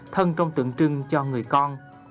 thân trong tượng trưng cho người con